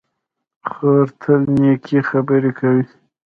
خور تل نېکې خبرې کوي.